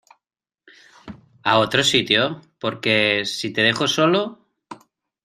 a otro sitio? porque si te dejo solo